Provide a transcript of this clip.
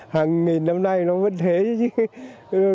hàng nghìn năm nay nó vẫn thế chứ